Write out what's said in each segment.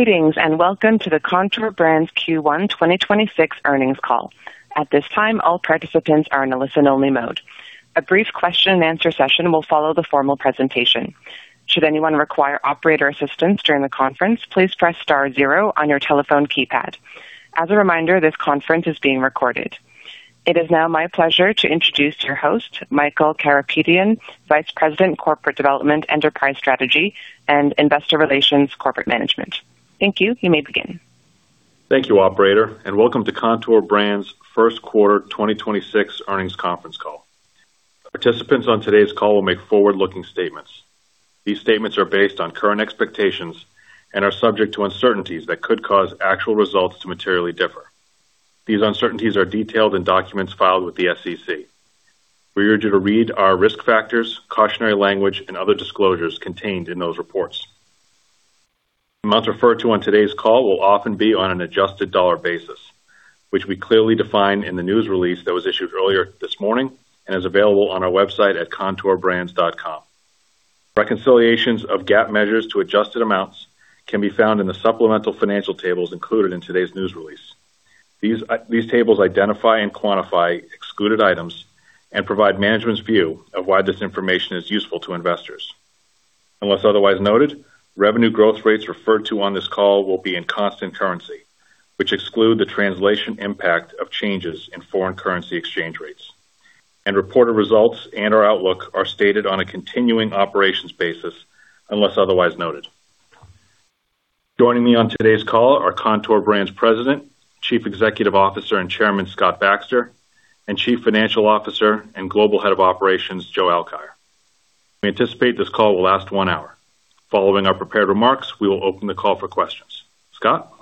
Greetings, and welcome to the Kontoor Brands Q1 2026 earnings call. At this time, all participants are in a listen-only mode. A brief question and answer session will follow the formal presentation. Should anyone require operator assistance during the conference, please press star zero on your telephone keypad. As a reminder, this conference is being recorded. It is now my pleasure to introduce your host, Michael Karapetian, Vice President, Corporate Development, Enterprise Strategy, and Investor Relations Corporate Management. Thank you. You may begin. Thank you, operator, and welcome to Kontoor Brands' first quarter 2026 earnings conference call. Participants on today's call will make forward-looking statements. These statements are based on current expectations and are subject to uncertainties that could cause actual results to materially differ. These uncertainties are detailed in documents filed with the SEC. We urge you to read our risk factors, cautionary language, and other disclosures contained in those reports. Amounts referred to on today's call will often be on an adjusted dollar basis, which we clearly define in the news release that was issued earlier this morning and is available on our website at kontoorbrands.com. Reconciliations of GAAP measures to adjusted amounts can be found in the supplemental financial tables included in today's news release. These tables identify and quantify excluded items and provide management's view of why this information is useful to investors. Unless otherwise noted, revenue growth rates referred to on this call will be in constant currency, which exclude the translation impact of changes in foreign currency exchange rates. Reported results and our outlook are stated on a continuing operations basis unless otherwise noted. Joining me on today's call are Kontoor Brands President, Chief Executive Officer and Chairman, Scott Baxter, and Chief Financial Officer and Global Head of Operations, Joe Alkire. We anticipate this call will last one hour. Following our prepared remarks, we will open the call for questions. Scott?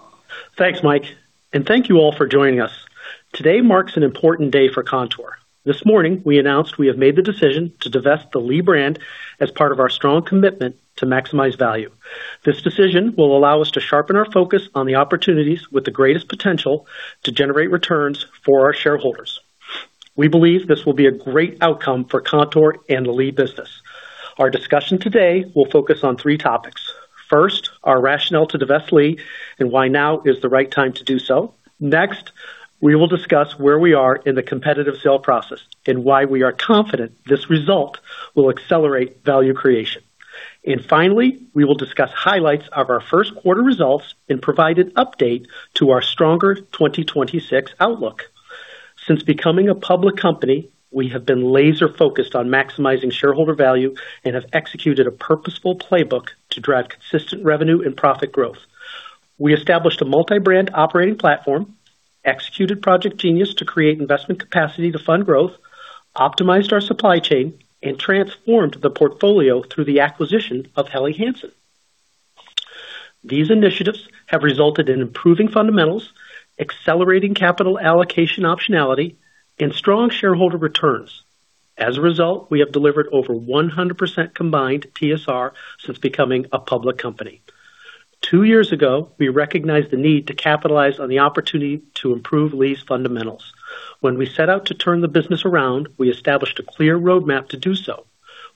Thanks, Mike. Thank you all for joining us. Today marks an important day for Kontoor. This morning, we announced we have made the decision to divest the Lee brand as part of our strong commitment to maximize value. This decision will allow us to sharpen our focus on the opportunities with the greatest potential to generate returns for our shareholders. We believe this will be a great outcome for Kontoor and the Lee business. Our discussion today will focus on three topics. First, our rationale to divest Lee and why now is the right time to do so. Next, we will discuss where we are in the competitive sale process and why we are confident this result will accelerate value creation. Finally, we will discuss highlights of our first quarter results and provide an update to our stronger 2026 outlook. Since becoming a public company, we have been laser-focused on maximizing shareholder value and have executed a purposeful playbook to drive consistent revenue and profit growth. We established a multi-brand operating platform, executed Project Genius to create investment capacity to fund growth, optimized our supply chain, and transformed the portfolio through the acquisition of Helly Hansen. These initiatives have resulted in improving fundamentals, accelerating capital allocation optionality, and strong shareholder returns. As a result, we have delivered over 100% combined TSR since becoming a public company. Two years ago, we recognized the need to capitalize on the opportunity to improve Lee's fundamentals. When we set out to turn the business around, we established a clear roadmap to do so.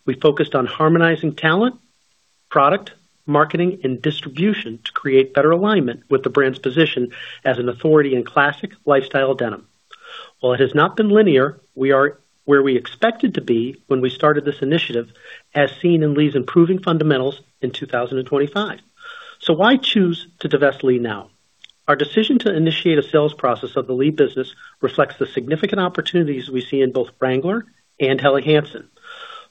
We focused on harmonizing talent, product, marketing, and distribution to create better alignment with the brand's position as an authority in classic lifestyle denim. While it has not been linear, we are where we expected to be when we started this initiative, as seen in Lee's improving fundamentals in 2025. Why choose to divest Lee now? Our decision to initiate a sales process of the Lee business reflects the significant opportunities we see in both Wrangler and Helly Hansen.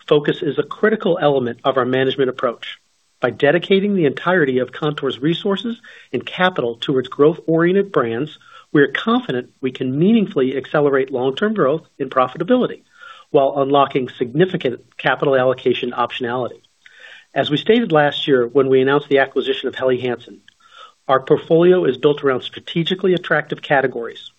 Focus is a critical element of our management approach. By dedicating the entirety of Kontoor's resources and capital towards growth-oriented brands, we are confident we can meaningfully accelerate long-term growth and profitability while unlocking significant capital allocation optionality. As we stated last year when we announced the acquisition of Helly Hansen, our portfolio is built around strategically attractive categories.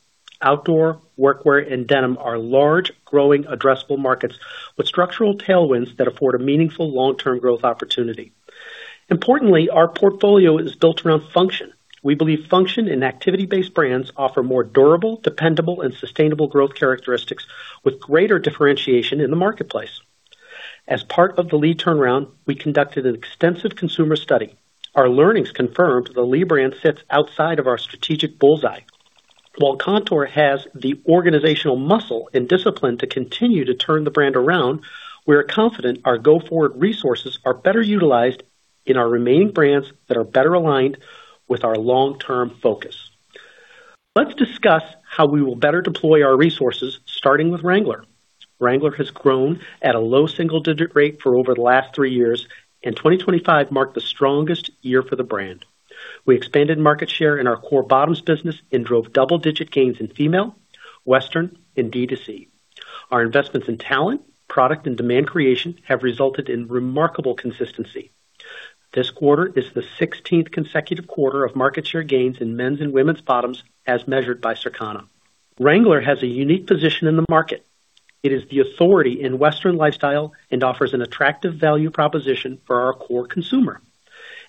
Outdoor, work wear, and denim are large, growing addressable markets with structural tailwinds that afford a meaningful long-term growth opportunity. Importantly, our portfolio is built around function. We believe function and activity-based brands offer more durable, dependable, and sustainable growth characteristics with greater differentiation in the marketplace. As part of the Lee turnaround, we conducted an extensive consumer study. Our learnings confirmed the Lee brand sits outside of our strategic bull's-eye. While Kontoor has the organizational muscle and discipline to continue to turn the brand around, we are confident our go-forward resources are better utilized in our remaining brands that are better aligned with our long-term focus. Let's discuss how we will better deploy our resources, starting with Wrangler. Wrangler has grown at a low single-digit rate for over the last three years, and 2025 marked the strongest year for the brand. We expanded market share in our core bottoms business and drove double-digit gains in female, western, and DTC. Our investments in talent, product, and demand creation have resulted in remarkable consistency. This quarter is the 16th consecutive quarter of market share gains in men's and women's bottoms, as measured by Circana. Wrangler has a unique position in the market. It is the authority in Western lifestyle and offers an attractive value proposition for our core consumer.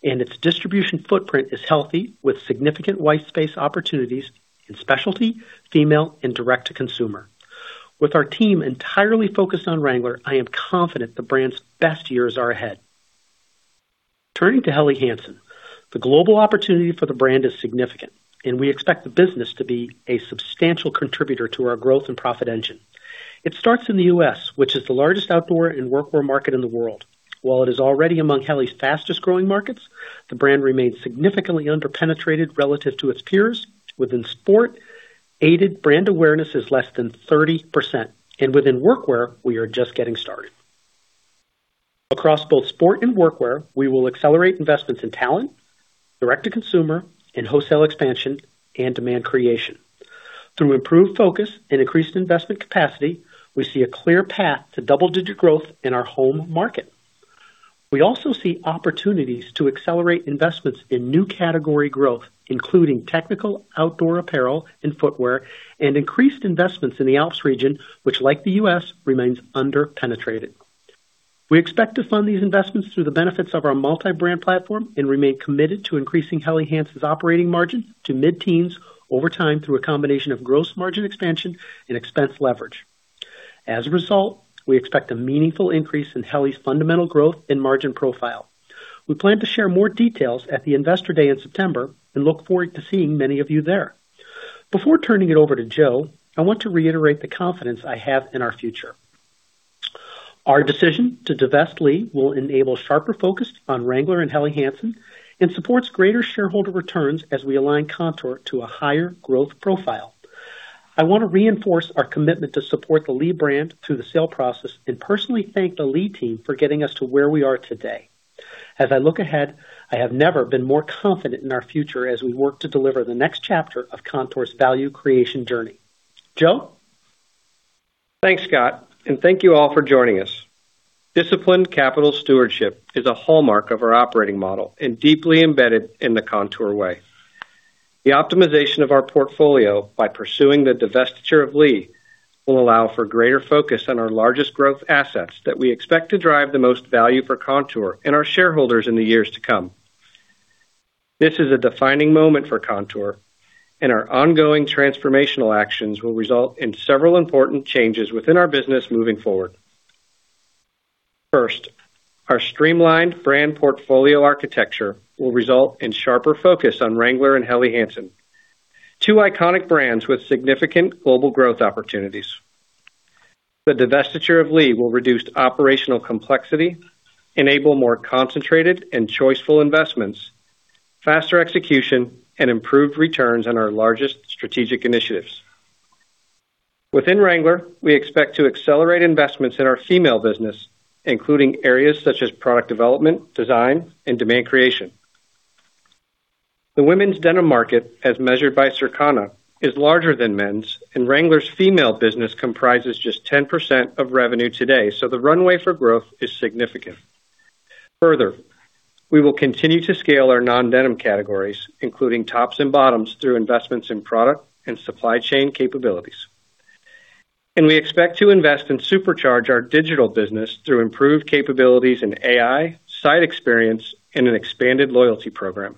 Its distribution footprint is healthy with significant white space opportunities in specialty, female, and direct-to-consumer. With our team entirely focused on Wrangler, I am confident the brand's best years are ahead. Turning to Helly Hansen, the global opportunity for the brand is significant, and we expect the business to be a substantial contributor to our growth and profit engine. It starts in the U.S., which is the largest outdoor and workwear market in the world. While it is already among Helly's fastest-growing markets, the brand remains significantly underpenetrated relative to its peers. Within sport, aided brand awareness is less than 30%, and within workwear, we are just getting started. Across both sport and workwear, we will accelerate investments in talent, direct-to-consumer and wholesale expansion, and demand creation. Through improved focus and increased investment capacity, we see a clear path to double-digit growth in our home market. We also see opportunities to accelerate investments in new category growth, including technical outdoor apparel and footwear, and increased investments in the Alps region, which like the U.S., remains underpenetrated. We expect to fund these investments through the benefits of our multi-brand platform and remain committed to increasing Helly Hansen's operating margin to mid-teens over time through a combination of gross margin expansion and expense leverage. As a result, we expect a meaningful increase in Helly's fundamental growth and margin profile. We plan to share more details at the Investor Day in September and look forward to seeing many of you there. Before turning it over to Joe, I want to reiterate the confidence I have in our future. Our decision to divest Lee will enable sharper focus on Wrangler and Helly Hansen and supports greater shareholder returns as we align Kontoor to a higher growth profile. I want to reinforce our commitment to support the Lee brand through the sale process and personally thank the Lee team for getting us to where we are today. As I look ahead, I have never been more confident in our future as we work to deliver the next chapter of Kontoor's value creation journey. Joe? Thanks, Scott, and thank you all for joining us. Disciplined capital stewardship is a hallmark of our operating model and deeply embedded in the Kontoor way. The optimization of our portfolio by pursuing the divestiture of Lee will allow for greater focus on our largest growth assets that we expect to drive the most value for Kontoor and our shareholders in the years to come. This is a defining moment for Kontoor, and our ongoing transformational actions will result in several important changes within our business moving forward. First, our streamlined brand portfolio architecture will result in sharper focus on Wrangler and Helly Hansen, two iconic brands with significant global growth opportunities. The divestiture of Lee will reduce operational complexity, enable more concentrated and choiceful investments, faster execution, and improved returns on our largest strategic initiatives. Within Wrangler, we expect to accelerate investments in our female business, including areas such as product development, design, and demand creation. The women's denim market, as measured by Circana, is larger than men's, and Wrangler's female business comprises just 10% of revenue today. The runway for growth is significant. Further, we will continue to scale our non-denim categories, including tops and bottoms, through investments in product and supply chain capabilities. We expect to invest and supercharge our digital business through improved capabilities in AI, site experience, and an expanded loyalty program.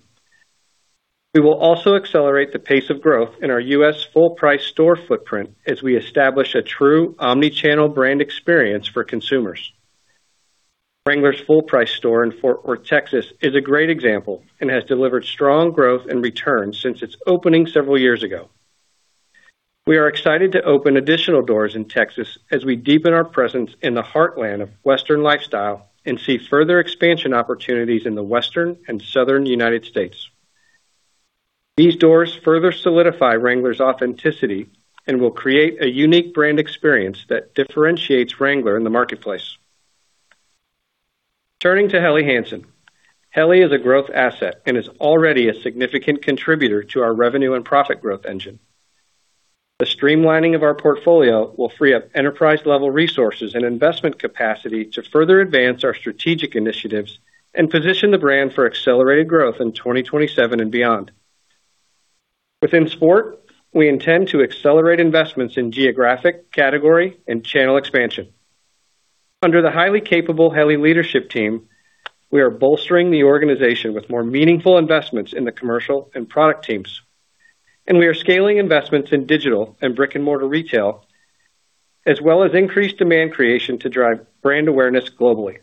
We will also accelerate the pace of growth in our US full price store footprint as we establish a true omni-channel brand experience for consumers. Wrangler's full price store in Fort Worth, Texas, is a great example and has delivered strong growth and returns since its opening several years ago. We are excited to open additional doors in Texas as we deepen our presence in the heartland of Western lifestyle and see further expansion opportunities in the Western and Southern United States. These doors further solidify Wrangler's authenticity and will create a unique brand experience that differentiates Wrangler in the marketplace. Turning to Helly Hansen. Helly is a growth asset and is already a significant contributor to our revenue and profit growth engine. The streamlining of our portfolio will free up enterprise-level resources and investment capacity to further advance our strategic initiatives and position the brand for accelerated growth in 2027 and beyond. Within sport, we intend to accelerate investments in geographic, category, and channel expansion. Under the highly capable Helly leadership team, we are bolstering the organization with more meaningful investments in the commercial and product teams, and we are scaling investments in digital and brick-and-mortar retail, as well as increased demand creation to drive brand awareness globally.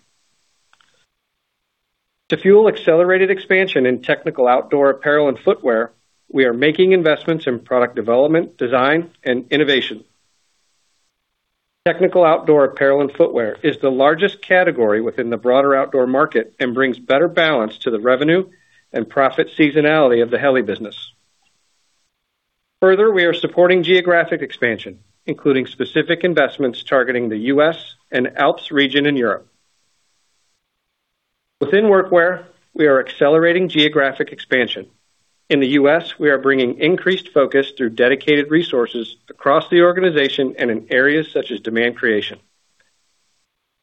To fuel accelerated expansion in technical outdoor apparel and footwear, we are making investments in product development, design, and innovation. Technical outdoor apparel and footwear is the largest category within the broader outdoor market and brings better balance to the revenue and profit seasonality of the Helly business. Further, we are supporting geographic expansion, including specific investments targeting the U.S. and Alps region in Europe. Within workwear, we are accelerating geographic expansion. In the U.S., we are bringing increased focus through dedicated resources across the organization and in areas such as demand creation.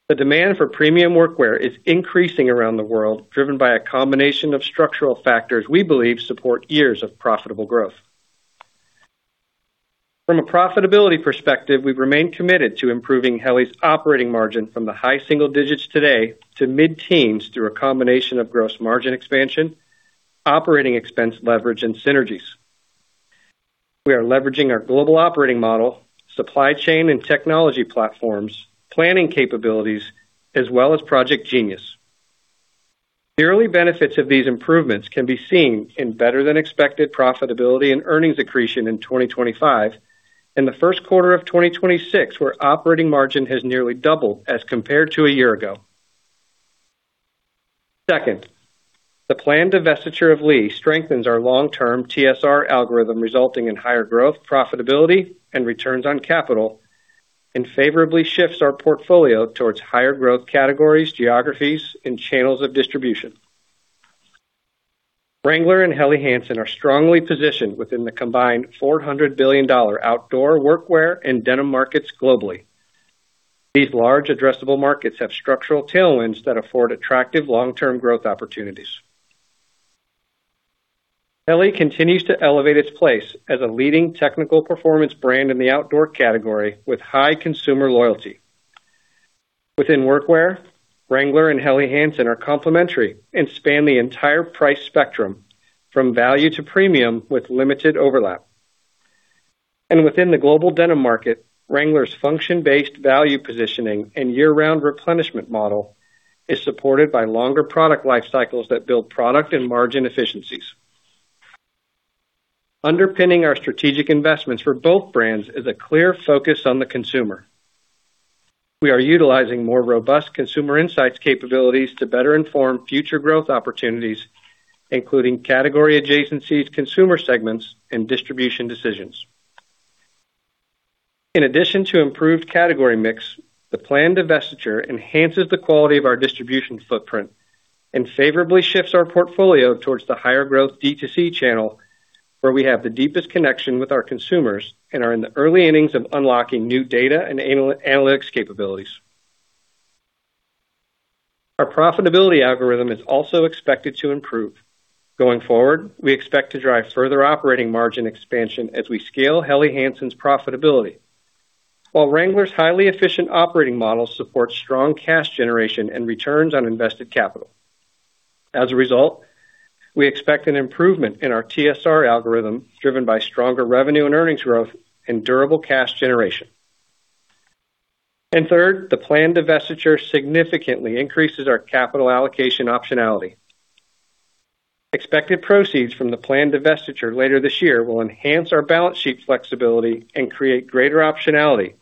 The demand for premium workwear is increasing around the world, driven by a combination of structural factors we believe support years of profitable growth. From a profitability perspective, we remain committed to improving Helly's operating margin from the high single digits today to mid-teens through a combination of gross margin expansion and operating expense leverage and synergies. We are leveraging our global operating model, supply chain and technology platforms, planning capabilities, as well as Project Genius. The early benefits of these improvements can be seen in better than expected profitability and earnings accretion in 2025, in the first quarter of 2026, where operating margin has nearly doubled as compared to a year ago. Second, the planned divestiture of Lee strengthens our long-term TSR algorithm, resulting in higher growth, profitability, and returns on capital, and favorably shifts our portfolio towards higher growth categories, geographies, and channels of distribution. Wrangler and Helly Hansen are strongly positioned within the combined $400 billion outdoor workwear and denim markets globally. These large addressable markets have structural tailwinds that afford attractive long-term growth opportunities. Helly continues to elevate its place as a leading technical performance brand in the outdoor category with high consumer loyalty. Within workwear, Wrangler and Helly Hansen are complementary and span the entire price spectrum from value to premium with limited overlap. Within the global denim market, Wrangler's function-based value positioning and year-round replenishment model is supported by longer product life cycles that build product and margin efficiencies. Underpinning our strategic investments for both brands is a clear focus on the consumer. We are utilizing more robust consumer insights capabilities to better inform future growth opportunities, including category adjacencies, consumer segments, and distribution decisions. In addition to improved category mix, the planned divestiture enhances the quality of our distribution footprint and favorably shifts our portfolio towards the higher growth DTC channel, where we have the deepest connection with our consumers and are in the early innings of unlocking new data and analytics capabilities. Our profitability algorithm is also expected to improve. Going forward, we expect to drive further operating margin expansion as we scale Helly Hansen's profitability. While Wrangler's highly efficient operating model supports strong cash generation and returns on invested capital. As a result, we expect an improvement in our TSR algorithm driven by stronger revenue and earnings growth and durable cash generation. Third, the planned divestiture significantly increases our capital allocation optionality. Expected proceeds from the planned divestiture later this year will enhance our balance sheet flexibility and create greater optionality,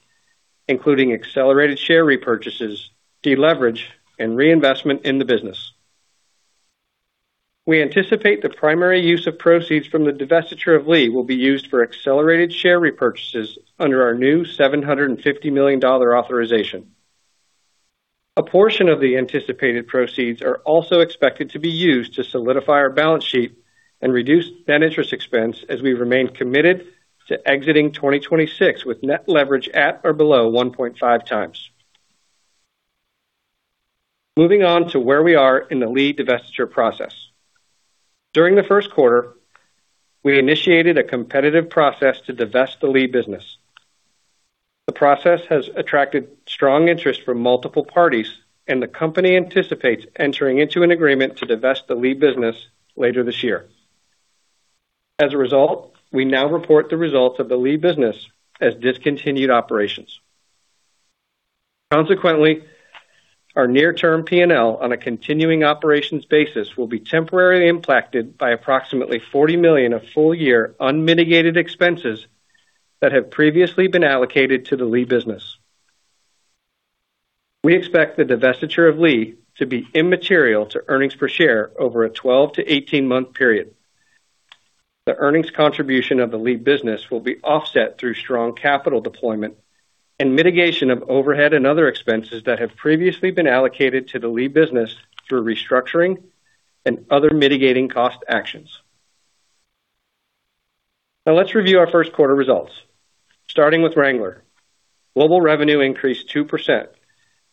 including accelerated share repurchases, deleverage, and reinvestment in the business. We anticipate the primary use of proceeds from the divestiture of Lee will be used for accelerated share repurchases under our new $750 million authorization. A portion of the anticipated proceeds are also expected to be used to solidify our balance sheet and reduce net interest expense as we remain committed to exiting 2026 with net leverage at or below 1.5x. Moving on to where we are in the Lee divestiture process. During the first quarter, we initiated a competitive process to divest the Lee business. The process has attracted strong interest from multiple parties. The company anticipates entering into an agreement to divest the Lee business later this year. As a result, we now report the results of the Lee business as discontinued operations. Consequently, our near-term P&L on a continuing operations basis will be temporarily impacted by approximately $40 million of full year unmitigated expenses that have previously been allocated to the Lee business. We expect the divestiture of Lee to be immaterial to earnings per share over a 12-18 month period. The earnings contribution of the Lee business will be offset through strong capital deployment and mitigation of overhead and other expenses that have previously been allocated to the Lee business through restructuring and other mitigating cost actions. Let's review our first quarter results. Starting with Wrangler. Global revenue increased 2%,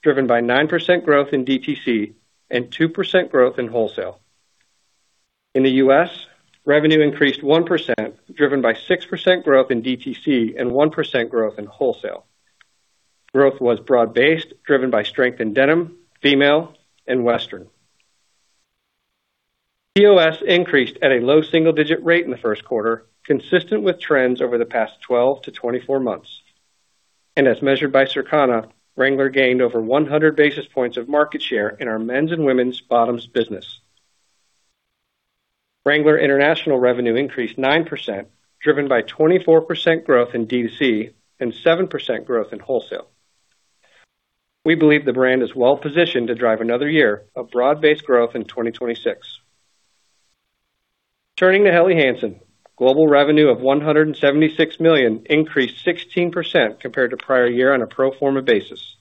driven by 9% growth in DTC and 2% growth in wholesale. In the U.S., revenue increased 1%, driven by 6% growth in DTC and 1% growth in wholesale. Growth was broad-based, driven by strength in denim, female, and western. POS increased at a low single-digit rate in the first quarter, consistent with trends over the past 12-24 months. As measured by Circana, Wrangler gained over 100 basis points of market share in our men's and women's bottoms business. Wrangler international revenue increased 9%, driven by 24% growth in DTC and 7% growth in wholesale. We believe the brand is well positioned to drive another year of broad-based growth in 2026. Turning to Helly Hansen. Global revenue of $176 million increased 16% compared to prior year on a pro forma basis.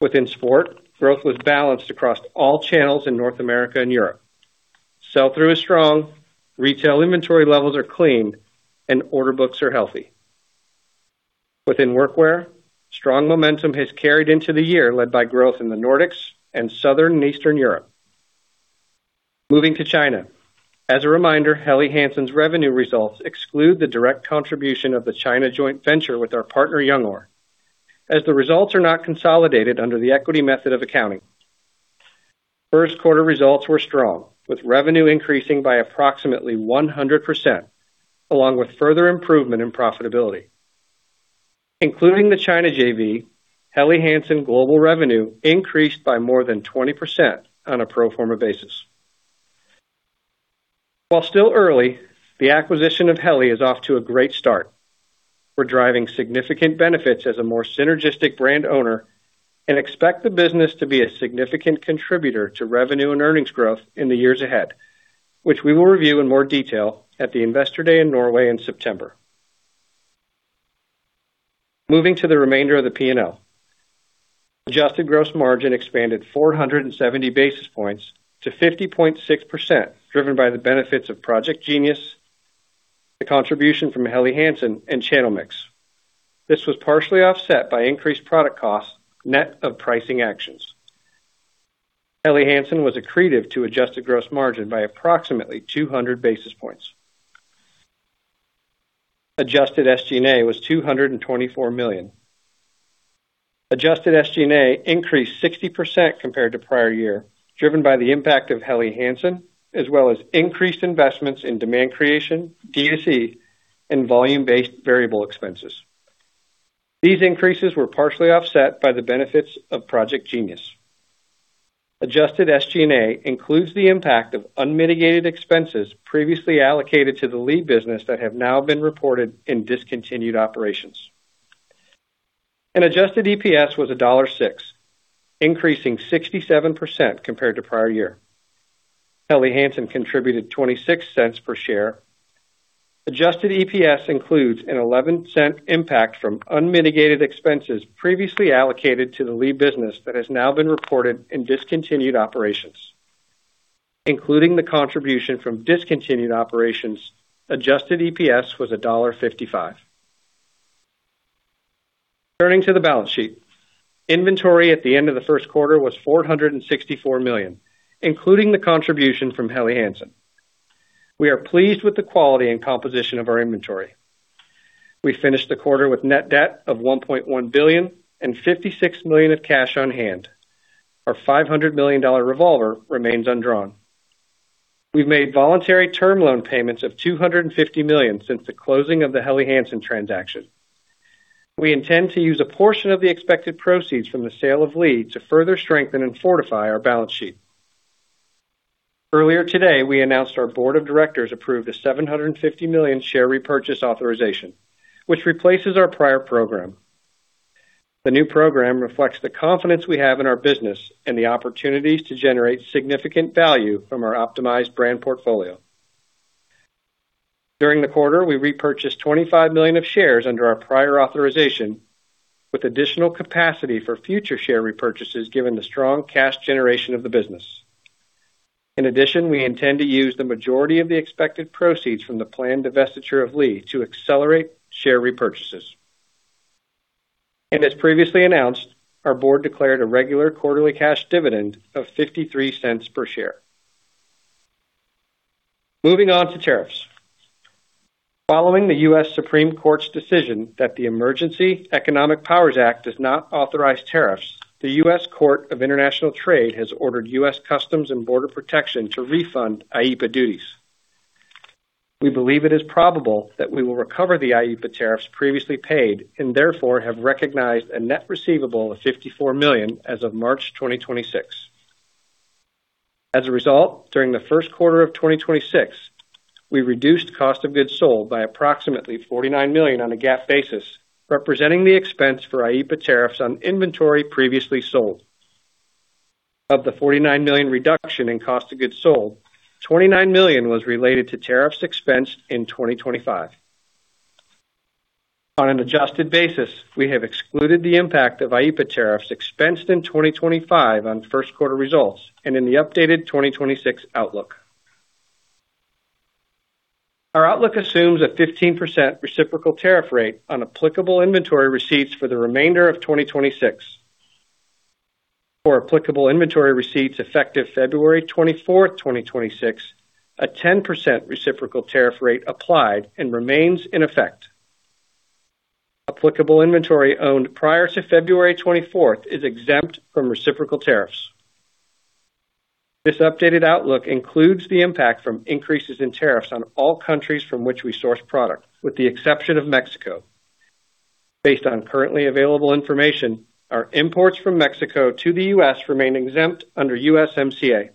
Within sport, growth was balanced across all channels in North America and Europe. Sell-through is strong, retail inventory levels are clean, and order books are healthy. Within workwear, strong momentum has carried into the year, led by growth in the Nordics and Southern and Eastern Europe. Moving to China. As a reminder, Helly Hansen's revenue results exclude the direct contribution of the China joint venture with our partner, Youngor. As the results are not consolidated under the equity method of accounting. First quarter results were strong, with revenue increasing by approximately 100% along with further improvement in profitability. Including the China JV, Helly Hansen global revenue increased by more than 20% on a pro forma basis. While still early, the acquisition of Helly is off to a great start. We're driving significant benefits as a more synergistic brand owner and expect the business to be a significant contributor to revenue and earnings growth in the years ahead, which we will review in more detail at the Investor Day in Norway in September. Moving to the remainder of the P&L. Adjusted gross margin expanded 470 basis points to 50.6%, driven by the benefits of Project Genius, the contribution from Helly Hansen, and channel mix. This was partially offset by increased product costs, net of pricing actions. Helly Hansen was accretive to adjusted gross margin by approximately 200 basis points. Adjusted SG&A was $224 million. Adjusted SG&A increased 60% compared to prior year, driven by the impact of Helly Hansen, as well as increased investments in demand creation, DSE, and volume-based variable expenses. These increases were partially offset by the benefits of Project Genius. Adjusted SG&A includes the impact of unmitigated expenses previously allocated to the Lee business that have now been reported in discontinued operations. Adjusted EPS was $1.06, increasing 67% compared to prior year. Helly Hansen contributed $0.26 per share. Adjusted EPS includes an $0.11 impact from unmitigated expenses previously allocated to the Lee business that has now been reported in discontinued operations. Including the contribution from discontinued operations, adjusted EPS was $1.55. Turning to the balance sheet. Inventory at the end of the first quarter was $464 million, including the contribution from Helly Hansen. We are pleased with the quality and composition of our inventory. We finished the quarter with net debt of $1.1 billion and $56 million of cash on hand. Our $500 million revolver remains undrawn. We've made voluntary term loan payments of $250 million since the closing of the Helly Hansen transaction. We intend to use a portion of the expected proceeds from the sale of Lee to further strengthen and fortify our balance sheet. Earlier today, we announced our Board of Directors approved a $750 million share repurchase authorization, which replaces our prior program. The new program reflects the confidence we have in our business and the opportunities to generate significant value from our optimized brand portfolio. During the quarter, we repurchased $25 million of shares under our prior authorization with additional capacity for future share repurchases given the strong cash generation of the business. In addition, we intend to use the majority of the expected proceeds from the planned divestiture of Lee to accelerate share repurchases. As previously announced, our Board declared a regular quarterly cash dividend of $0.53 per share. Moving on to tariffs. Following the U.S. Supreme Court's decision that the International Emergency Economic Powers Act does not authorize tariffs, the U.S. Court of International Trade has ordered U.S. Customs and Border Protection to refund IEPA duties. We believe it is probable that we will recover the IEPA tariffs previously paid, and therefore, have recognized a net receivable of $54 million as of March 2026. As a result, during the first quarter of 2026, we reduced cost of goods sold by approximately $49 million on a GAAP basis, representing the expense for IEPA tariffs on inventory previously sold. Of the $49 million reduction in cost of goods sold, $29 million was related to tariffs expensed in 2025. On an adjusted basis, we have excluded the impact of IEPA tariffs expensed in 2025 on first quarter results and in the updated 2026 outlook. Our outlook assumes a 15% reciprocal tariff rate on applicable inventory receipts for the remainder of 2026. For applicable inventory receipts effective February 24, 2026, a 10% reciprocal tariff rate applied and remains in effect. Applicable inventory owned prior to February 24th is exempt from reciprocal tariffs. This updated outlook includes the impact from increases in tariffs on all countries from which we source product, with the exception of Mexico. Based on currently available information, our imports from Mexico to the U.S. remain exempt under USMCA.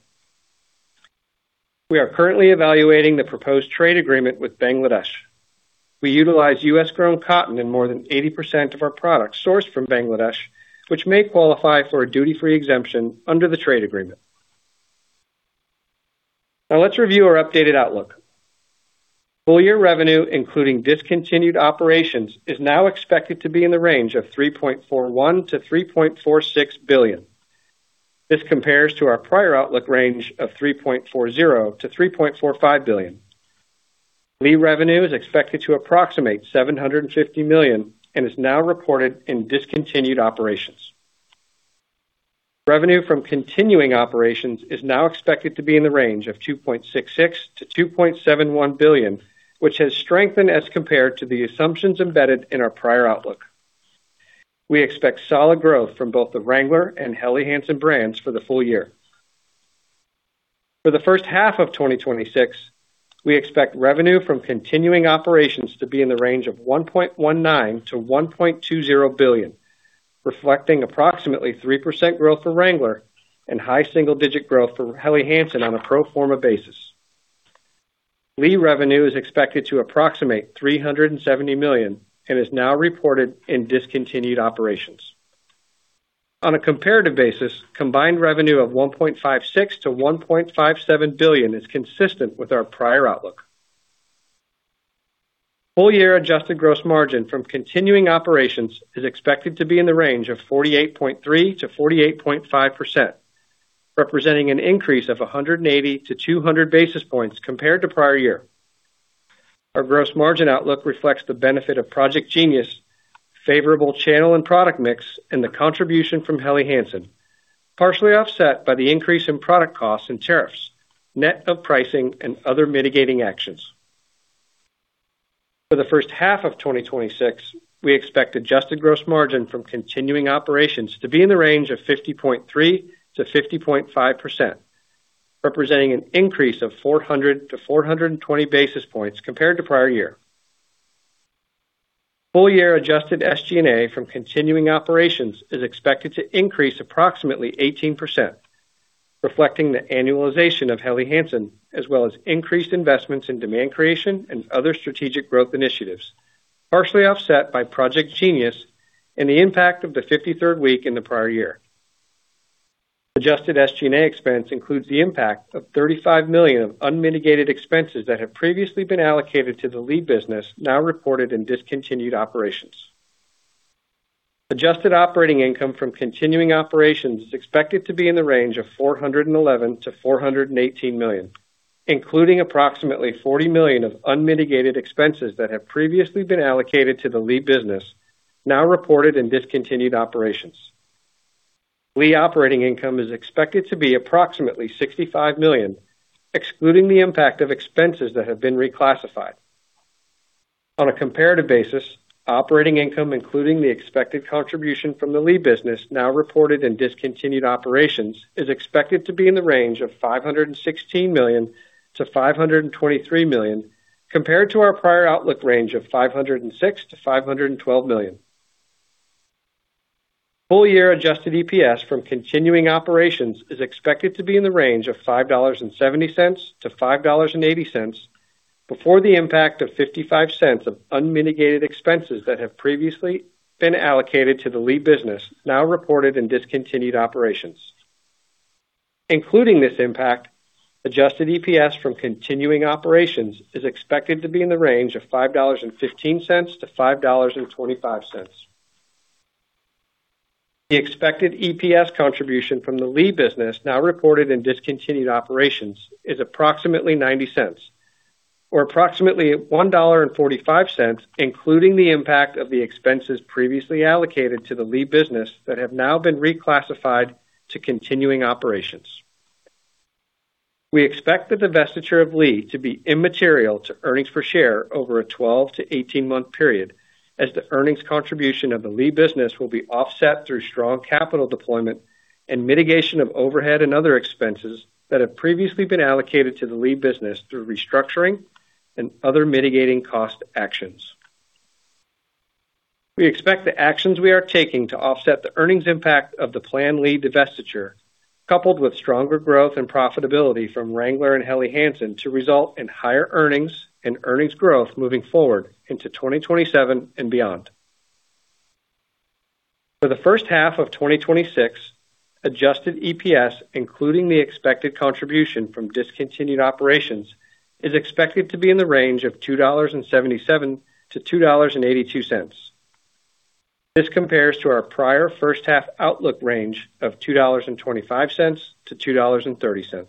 We are currently evaluating the proposed trade agreement with Bangladesh. We utilize U.S. grown cotton in more than 80% of our products sourced from Bangladesh, which may qualify for a duty-free exemption under the trade agreement. Let's review our updated outlook. Full year revenue including discontinued operations is now expected to be in the range of $3.41 billion-$3.46 billion. This compares to our prior outlook range of $3.40 billion-$3.45 billion. Lee revenue is expected to approximate $750 million and is now reported in discontinued operations. Revenue from continuing operations is now expected to be in the range of $2.66 billion-$2.71 billion, which has strengthened as compared to the assumptions embedded in our prior outlook. We expect solid growth from both the Wrangler and Helly Hansen brands for the full year. For the first half of 2026, we expect revenue from continuing operations to be in the range of $1.19 billion-$1.20 billion, reflecting approximately 3% growth for Wrangler and high single-digit growth for Helly Hansen on a pro forma basis. Lee revenue is expected to approximate $370 million and is now reported in discontinued operations. On a comparative basis, combined revenue of $1.56 billion-$1.57 billion is consistent with our prior outlook. Full year adjusted gross margin from continuing operations is expected to be in the range of 48.3%-48.5%, representing an increase of 180 basis points-200 basis points compared to prior year. Our gross margin outlook reflects the benefit of Project Genius, favorable channel and product mix, and the contribution from Helly Hansen, partially offset by the increase in product costs and tariffs, net of pricing and other mitigating actions. For the first half of 2026, we expect adjusted gross margin from continuing operations to be in the range of 50.3%-50.5%, representing an increase of 400 basis points-420 basis points compared to prior year. Full year adjusted SG&A from continuing operations is expected to increase approximately 18%, reflecting the annualization of Helly Hansen, as well as increased investments in demand creation and other strategic growth initiatives, partially offset by Project Genius and the impact of the 53rd week in the prior year. Adjusted SG&A expense includes the impact of $35 million of unmitigated expenses that have previously been allocated to the Lee business, now reported in discontinued operations. Adjusted operating income from continuing operations is expected to be in the range of $411 million-$418 million, including approximately $40 million of unmitigated expenses that have previously been allocated to the Lee business, now reported in discontinued operations. Lee operating income is expected to be approximately $65 million, excluding the impact of expenses that have been reclassified. On a comparative basis, operating income, including the expected contribution from the Lee business now reported in discontinued operations, is expected to be in the range of $516 million-$523 million compared to our prior outlook range of $506 million-$512 million. Full year adjusted EPS from continuing operations is expected to be in the range of $5.70-$5.80 before the impact of $0.55 of unmitigated expenses that have previously been allocated to the Lee business, now reported in discontinued operations. Including this impact, adjusted EPS from continuing operations is expected to be in the range of $5.15-$5.25. The expected EPS contribution from the Lee business now reported in discontinued operations is approximately $0.90, or approximately $1.45, including the impact of the expenses previously allocated to the Lee business that have now been reclassified to continuing operations. We expect the divestiture of Lee to be immaterial to earnings per share over a 12-18 month period, as the earnings contribution of the Lee business will be offset through strong capital deployment and mitigation of overhead and other expenses that have previously been allocated to the Lee business through restructuring and other mitigating cost actions. We expect the actions we are taking to offset the earnings impact of the planned Lee divestiture, coupled with stronger growth and profitability from Wrangler and Helly Hansen to result in higher earnings and earnings growth moving forward into 2027 and beyond. For the first half of 2026, adjusted EPS, including the expected contribution from discontinued operations, is expected to be in the range of $2.77-$2.82. This compares to our prior first half outlook range of $2.25-$2.30.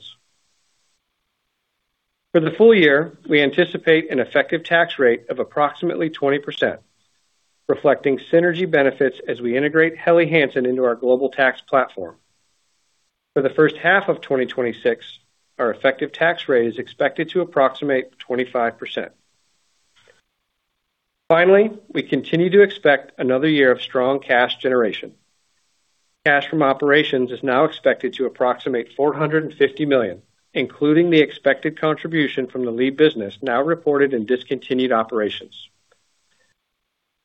For the full year, we anticipate an effective tax rate of approximately 20%, reflecting synergy benefits as we integrate Helly Hansen into our global tax platform. For the first half of 2026, our effective tax rate is expected to approximate 25%. Finally, we continue to expect another year of strong cash generation. Cash from operations is now expected to approximate $450 million, including the expected contribution from the Lee business now reported in discontinued operations.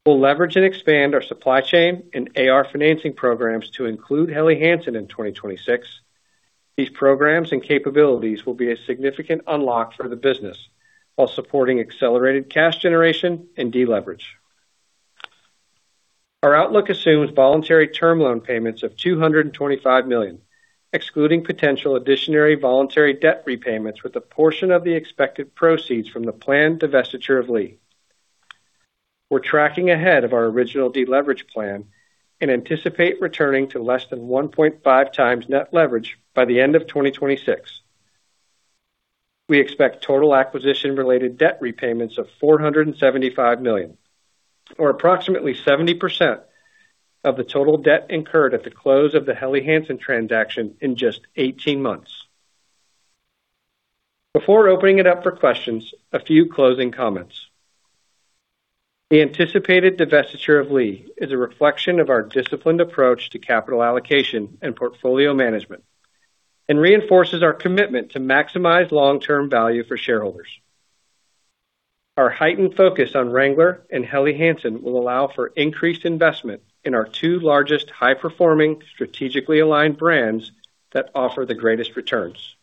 We'll leverage and expand our supply chain and AR financing programs to include Helly Hansen in 2026. These programs and capabilities will be a significant unlock for the business while supporting accelerated cash generation and deleverage. Our outlook assumes voluntary term loan payments of $225 million, excluding potential additional voluntary debt repayments with a portion of the expected proceeds from the planned divestiture of Lee. We're tracking ahead of our original deleverage plan and anticipate returning to less than 1.5x net leverage by the end of 2026. We expect total acquisition related debt repayments of $475 million, or approximately 70% of the total debt incurred at the close of the Helly Hansen transaction in just 18 months. Before opening it up for questions, a few closing comments. The anticipated divestiture of Lee is a reflection of our disciplined approach to capital allocation and portfolio management and reinforces our commitment to maximize long-term value for shareholders. Our heightened focus on Wrangler and Helly Hansen will allow for increased investment in our two largest high-performing strategically aligned brands that offer the greatest returns.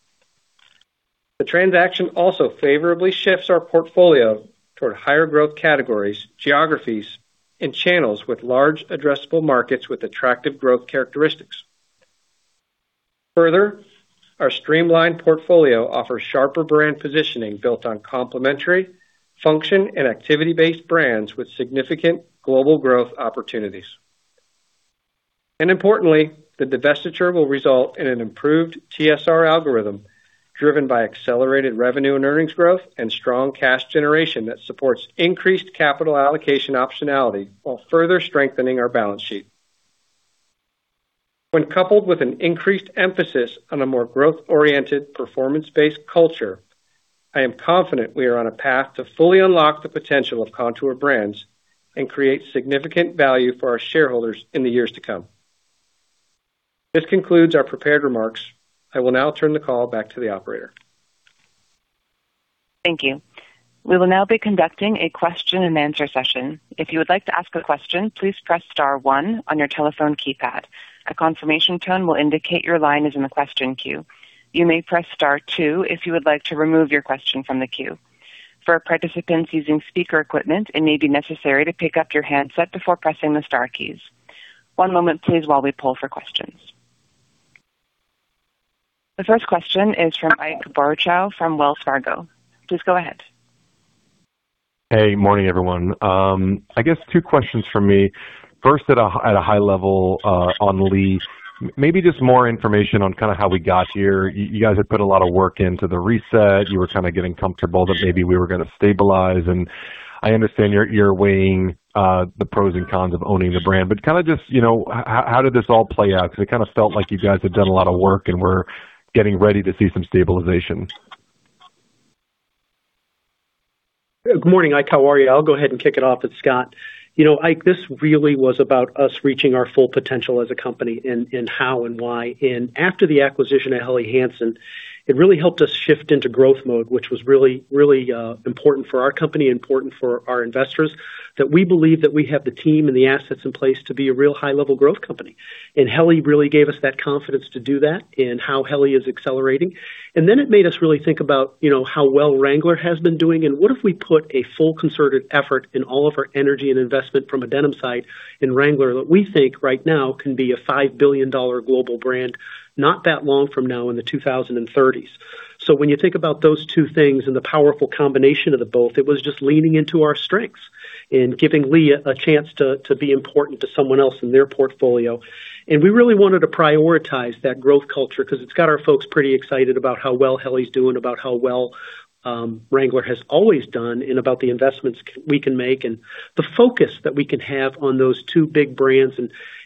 The transaction also favorably shifts our portfolio toward higher growth categories, geographies, and channels with large addressable markets with attractive growth characteristics. Further, our streamlined portfolio offers sharper brand positioning built on complementary function and activity-based brands with significant global growth opportunities. Importantly, the divestiture will result in an improved TSR algorithm driven by accelerated revenue and earnings growth and strong cash generation that supports increased capital allocation optionality while further strengthening our balance sheet. When coupled with an increased emphasis on a more growth-oriented performance-based culture, I am confident we are on a path to fully unlock the potential of Kontoor Brands and create significant value for our shareholders in the years to come. This concludes our prepared remarks. I will now turn the call back to the operator. Thank you. We will now be conducting a question and answer session. If you would like to ask a question, please press star one on your telephone keypad, a confirmation tone will indicate your line is on the question queue, you may press star two if you would like to remove your question from the queue. For participants using speaker equipment, it maybe necessary to pick up your handset before pressing the starkey. One moment please while we pull for questions. The first question is from Ike Boruchow from Wells Fargo. Please go ahead. Hey. Morning, everyone. I guess two questions from me. First, at a high level, on Lee, maybe just more information on kinda how we got here. You guys have put a lot of work into the reset. You were kinda getting comfortable that maybe we were gonna stabilize. I understand you're weighing the pros and cons of owning the brand, but kinda just, you know, how did this all play out? 'Cause it kinda felt like you guys had done a lot of work and were getting ready to see some stabilization. Good morning, Ike. How are you? I'll go ahead and kick it off. It's Scott. You know, Ike, this really was about us reaching our full potential as a company and how and why. After the acquisition of Helly Hansen, it really helped us shift into growth mode, which was really important for our company, important for our investors, that we believe that we have the team and the assets in place to be a real high-level growth company. Helly really gave us that confidence to do that and how Helly is accelerating. It made us really think about, you know, how well Wrangler has been doing, and what if we put a full concerted effort and all of our energy and investment from a denim side in Wrangler that we think right now can be a $5 billion global brand, not that long from now in the 2030s. When you think about those two things and the powerful combination of the both, it was just leaning into our strengths and giving Lee a chance to be important to someone else in their portfolio. We really wanted to prioritize that growth culture because it's got our folks pretty excited about how well Helly's doing, about how well Wrangler has always done and about the investments we can make and the focus that we can have on those two big brands.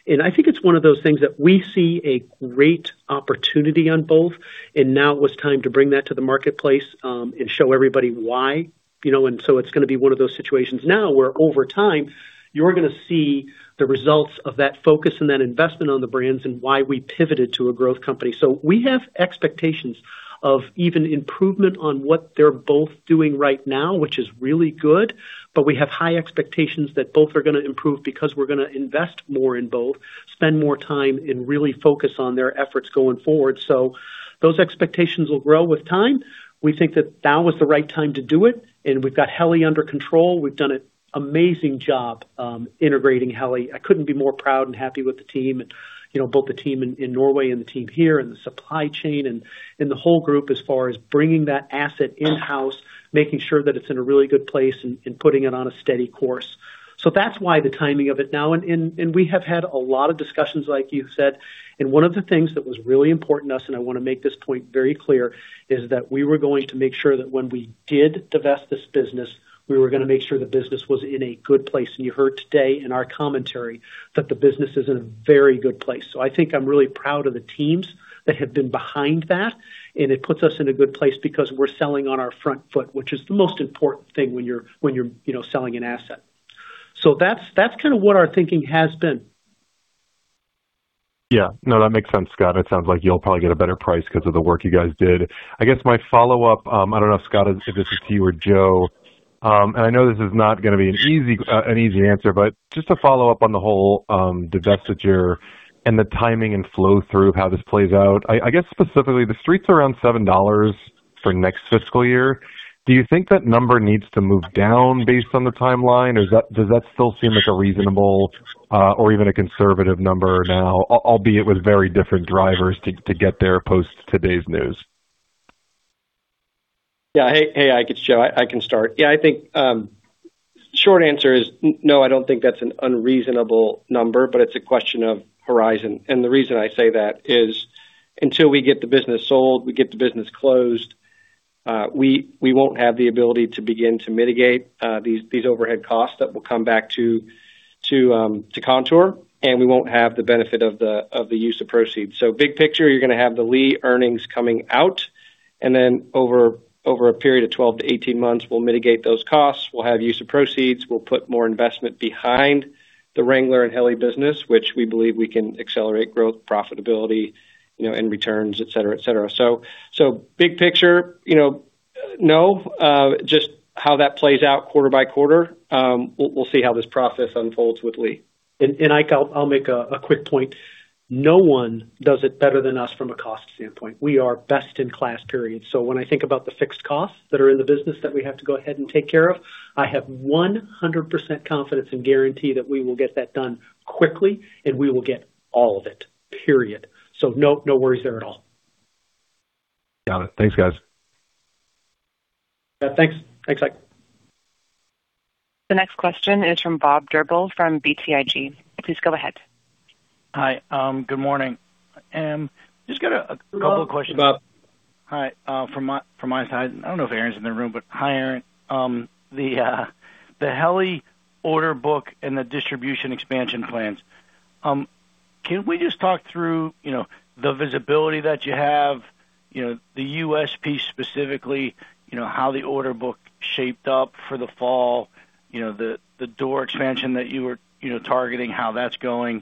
I think it's one of those things that we see a great opportunity on both, and now it was time to bring that to the marketplace, and show everybody why. You know, it's gonna be one of those situations now where over time, you're gonna see the results of that focus and that investment on the brands and why we pivoted to a growth company. We have expectations of even improvement on what they're both doing right now, which is really good. We have high expectations that both are gonna improve because we're gonna invest more in both, spend more time, and really focus on their efforts going forward. Those expectations will grow with time. We think that now is the right time to do it, and we've got Helly under control. We've done an amazing job integrating Helly. I couldn't be more proud and happy with the team and, you know, both the team in Norway and the team here and the supply chain and the whole group as far as bringing that asset in-house, making sure that it's in a really good place and putting it on a steady course. That's why the timing of it now. We have had a lot of discussions, like you said, and one of the things that was really important to us, and I wanna make this point very clear, is that we were going to make sure that when we did divest this business, we were gonna make sure the business was in a good place. You heard today in our commentary that the business is in a very good place. I think I'm really proud of the teams that have been behind that, and it puts us in a good place because we're selling on our front foot, which is the most important thing when you're, you know, selling an asset. That's kind of what our thinking has been. Yeah. No, that makes sense, Scott. It sounds like you'll probably get a better price because of the work you guys did. I guess my follow-up, I don't know, Scott, if this is to you or Joe. I know this is not gonna be an easy, an easy answer, but just to follow up on the whole divestiture and the timing and flow through of how this plays out. I guess specifically the streets around $7 for next fiscal year. Do you think that number needs to move down based on the timeline? Or does that still seem like a reasonable, or even a conservative number now, albeit with very different drivers to get there post today's news? Yeah. Hey, Ike. It's Joe. I can start. Yeah, I think, no, I don't think that's an unreasonable number, but it's a question of horizon. The reason I say that is until we get the business sold, we get the business closed, we won't have the ability to begin to mitigate these overhead costs that will come back to Kontoor, and we won't have the benefit of the use of proceeds. Big picture, you're gonna have the Lee earnings coming out, and then over a period of 12-18 months, we'll mitigate those costs. We'll have use of proceeds. We'll put more investment behind the Wrangler and Helly business, which we believe we can accelerate growth, profitability, you know, and returns, et cetera. Big picture, you know, just how that plays out quarter by quarter, we'll see how this process unfolds with Lee. Ike, I'll make a quick point. No one does it better than us from a cost standpoint. We are best in class, period. When I think about the fixed costs that are in the business that we have to go ahead and take care of, I have 100% confidence and guarantee that we will get that done quickly, and we will get all of it, period. No worries there at all. Got it. Thanks, guys. Yeah, thanks. Thanks, Ike. The next question is from Bob Drbul from BTIG. Please go ahead. Hi. Good morning. Just got a couple of questions. Hello, Bob. Hi. From my side, I don't know if Erin's in the room, but hi, Erin. The Helly order book and the distribution expansion plans. Can we just talk through, you know, the visibility that you have, you know, the U.S. piece specifically, you know, how the order book shaped up for the fall, you know, the door expansion that you were, you know, targeting, how that's going.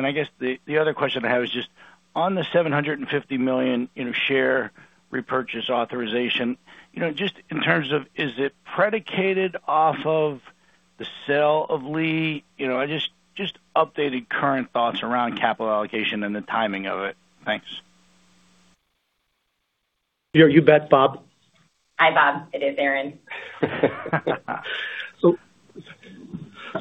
I guess the other question I have is just on the $750 million in share repurchase authorization, you know, just in terms of is it predicated off of the sale of Lee? You know, just updated current thoughts around capital allocation and the timing of it. Thanks. You bet, Bob. Hi, Bob. It is Erin.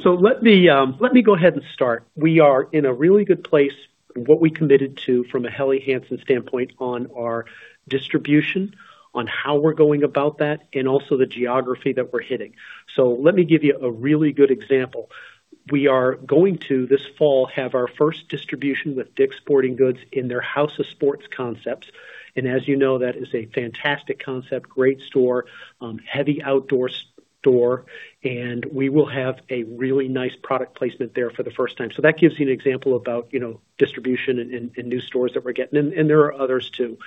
Let me go ahead and start. We are in a really good place in what we committed to from a Helly Hansen standpoint on our distribution, on how we're going about that, and also the geography that we're hitting. Let me give you a really good example. We are going to, this fall, have our first distribution with Dick's Sporting Goods in their House of Sports concepts. As you know, that is a fantastic concept, great store, heavy outdoor store, and we will have a really nice product placement there for the first time. That gives you an example about, you know, distribution and new stores that we're getting. There are others too.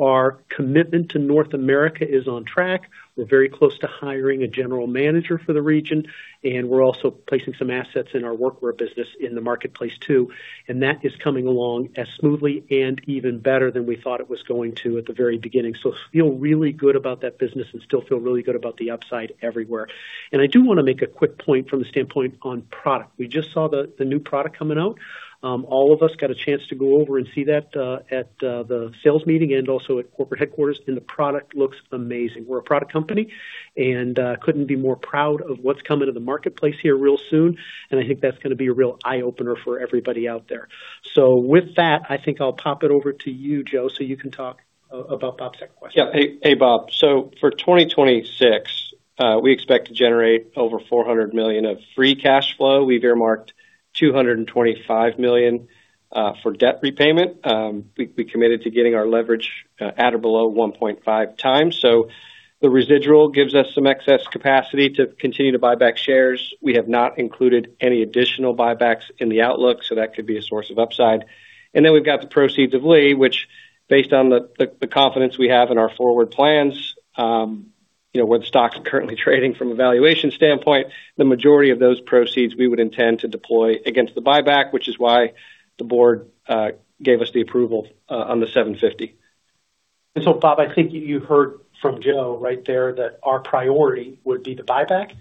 Our commitment to North America is on track. We're very close to hiring a general manager for the region, and we're also placing some assets in our workwear business in the marketplace too. That is coming along as smoothly and even better than we thought it was going to at the very beginning. Feel really good about that business and still feel really good about the upside everywhere. I do wanna make a quick point from the standpoint on product. We just saw the new product coming out. All of us got a chance to go over and see that at the sales meeting and also at corporate headquarters, and the product looks amazing. We're a product company, and couldn't be more proud of what's coming to the marketplace here real soon, and I think that's gonna be a real eye-opener for everybody out there. With that, I think I'll pop it over to you, Joe, so you can talk about Bob's second question. Hey, hey, Bob. For 2026, we expect to generate over $400 million of free cash flow. We've earmarked $225 million for debt repayment. We committed to getting our leverage at or below 1.5x. The residual gives us some excess capacity to continue to buy back shares. We have not included any additional buybacks in the outlook, that could be a source of upside. We've got the proceeds of Lee, which based on the confidence we have in our forward plans, you know, where the stock's currently trading from a valuation standpoint, the majority of those proceeds we would intend to deploy against the buyback, which is why the board gave us the approval on the $750 million. Bob, I think you heard from Joe right there that our priority would be the buyback,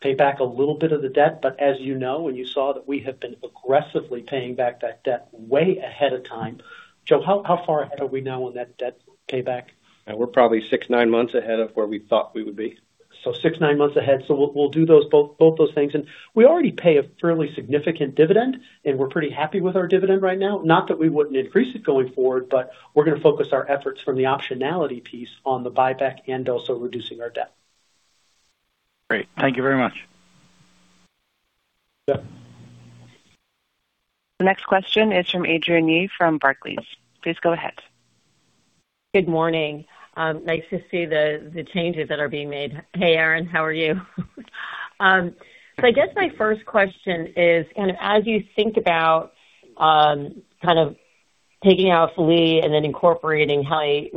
pay back a little bit of the debt. As you know, and you saw that we have been aggressively paying back that debt way ahead of time. Joe, how far ahead are we now on that debt payback? We're probably six to nine months ahead of where we thought we would be. six to nine months ahead. We'll do those both those things. We already pay a fairly significant dividend, and we're pretty happy with our dividend right now. Not that we wouldn't increase it going forward, but we're gonna focus our efforts from the optionality piece on the buyback and also reducing our debt. Great. Thank you very much. Yeah. The next question is from Adrienne Yih from Barclays. Please go ahead. Good morning. Nice to see the changes that are being made. Hey, Erin, how are you? I guess my first question is kind of as you think about kind of taking out Lee and then incorporating Helly